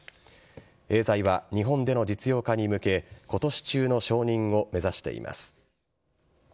エーザイは日本での実用化に向け、ことし中の承認を目指しています。